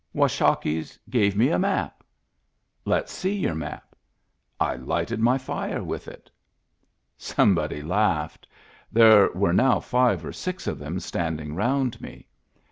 Washakie gave me a map." " Let's see your map." " I lighted my fire with it." Somebody laughed. There were now five or six of them standing round me.